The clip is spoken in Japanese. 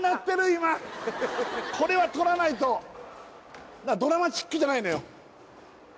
今これはとらないとドラマチックじゃないのよ